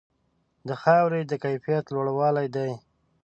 د خاورې د کیفیت لوړوالې دی.